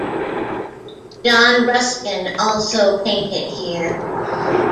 John Ruskin also painted here.